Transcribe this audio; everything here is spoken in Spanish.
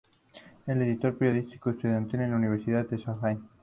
Editó el periódico estudiantil de la universidad, "The Saint".